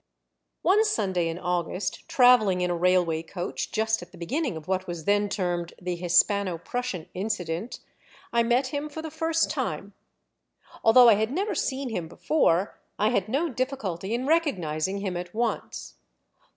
One Sunday in August, travelling in a railway ccach just at the beginning of what was then termed the Hispano Prussian Incident, I met him for the first time. Although I had never seen him before, I had no difficulty in recognizing him at once.